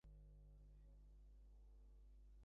আমার জন্যে ব্যস্ত হবেন না।